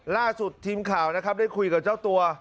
ล่าสุดทีมข่าวนะครับได้คุยกับเจ้าตัว